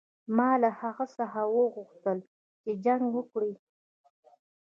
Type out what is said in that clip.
ما له هغه څخه وغوښتل چې جنګ وکړي.